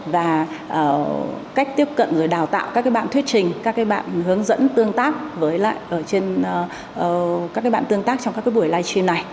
và cách tiếp cận rồi đào tạo các cái bạn thuyết trình các cái bạn hướng dẫn tương tác với lại ở trên các cái bạn tương tác trong các cái buổi livestream này